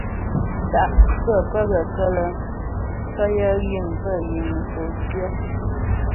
Kà' khə̌ pə́ gaə́ kələ ncwəyɛ yiŋ pə́ yiŋ nə̌fò tsyə.